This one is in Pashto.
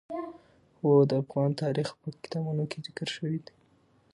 هوا د افغان تاریخ په کتابونو کې ذکر شوی دي.